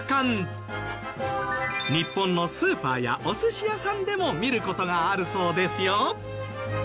日本のスーパーやお寿司屋さんでも見る事があるそうですよ。